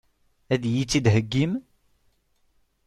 Ad iyi-tt-id-theggim?